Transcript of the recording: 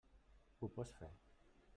Ho pots fer.